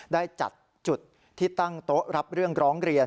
ได้จัดจุดที่ตั้งโต๊ะรับเรื่องร้องเรียน